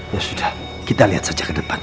ya sudah kita lihat saja ke depan